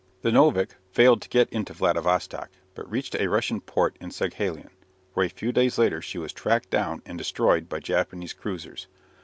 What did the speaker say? The "Novik" failed to get into Vladivostock, but reached a Russian port in Saghalien, where a few days later she was tracked down and destroyed by Japanese cruisers.